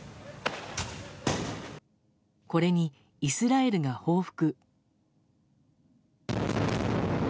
これに、イスラエルが報復。